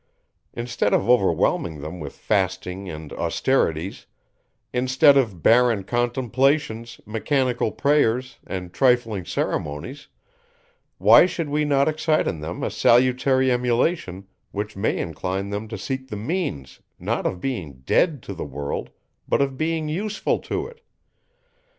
Instead of overwhelming them with fasting and austerities; instead of barren contemplations, mechanical prayers, and trifling ceremonies; why should we not excite in them a salutary emulation, which may incline them to seek the means, not of being dead to the world, but of being useful to it?